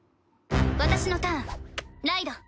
私のターンライド！